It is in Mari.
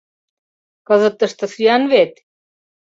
Кызыт тыште сӱан вет?